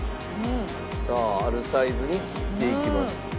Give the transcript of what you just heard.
さああるサイズに切っていきます。